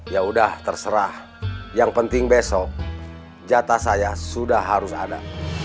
ya sudah terserah yang penting besok jatah saya sudah harus ada